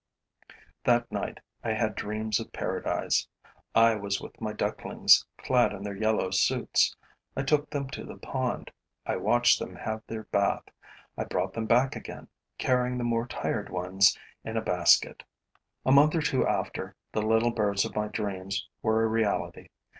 That night, I had dreams of paradise: I was with my ducklings, clad in their yellow suits; I took them to the pond, I watched them have their bath, I brought them back again, carrying the more tired ones in a basket. A month or two after, the little birds of my dreams were a reality.